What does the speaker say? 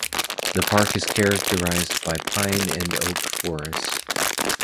The park is characterized by pine and oak forest.